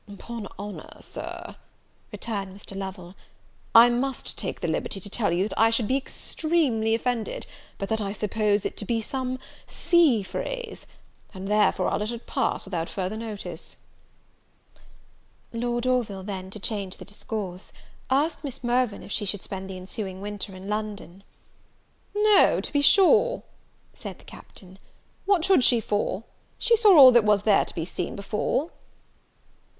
"'Pon honour, Sir," returned Mr. Lovel, "I must take the liberty to tell you, that I should be extremely offended, but that I suppose it to be some sea phrase; and therefore I'll let it pass without further notice." Lord Orville, then, to change the discourse, asked Miss Mirvan if she should spend the ensuing winter in London? "No, to be sure," said the Captain, "what should she for? She saw all that was to be seen before."